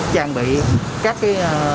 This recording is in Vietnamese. trang bị các cái